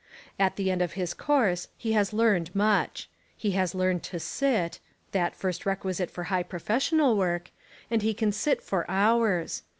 At the end of his course he has learned much. He has learned to sit, — that first requisite for high professional work, — and he can sit for hours.